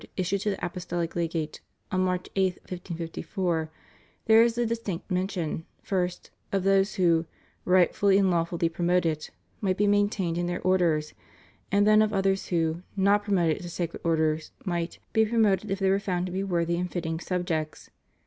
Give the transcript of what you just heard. issued to the Apostolic Legate on March 8, 1554, there is a distinct mention, first, of those who, "rightly and law fully promoted," might be maintained in their Orders; and then of others who, "not promoted to Sacred Orders," might "he promoted if they were found to he worthy and fitting subjects."